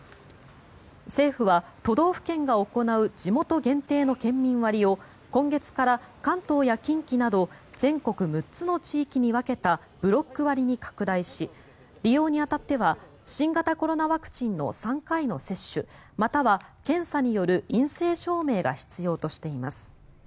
政府は都道府県が行う地元限定の県民割を今月から関東や近畿など全国６つの地域に分けたブロック割に拡大し利用に当たっては新型コロナワクチンの３回の接種または検査による陰性証明が必要としています。